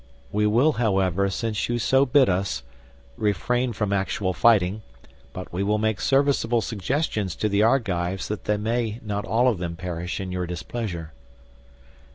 We will, however, since you so bid us, refrain from actual fighting, but we will make serviceable suggestions to the Argives that they may not all of them perish in your displeasure."